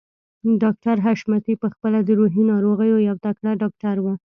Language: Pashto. ډاکټر حشمتي په خپله د روحي ناروغيو يو تکړه ډاکټر و.